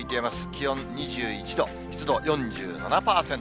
気温２１度、湿度４７％。